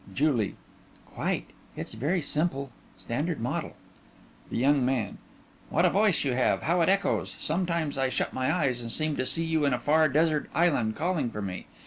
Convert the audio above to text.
JULIE: Quite. It's very simple, standard model. THE YOUNG MAN: What a voice you have! How it echoes! Sometimes I shut my eyes and seem to see you in a far desert island calling for me.